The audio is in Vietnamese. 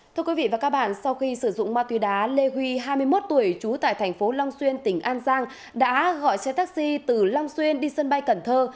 thưa quý vị và các bạn sau khi sử dụng ma túy đá lê huy hai mươi một tuổi trú tại thành phố long xuyên tỉnh an giang đã gọi xe taxi từ long xuyên đi sân bay cần thơ